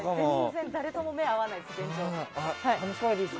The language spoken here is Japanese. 全然誰とも目が合わないです。